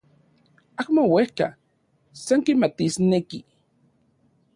Amo uejka, san kimatisneki.